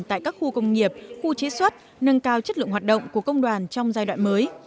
tại các khu công nghiệp khu chế xuất nâng cao chất lượng hoạt động của công đoàn trong giai đoạn mới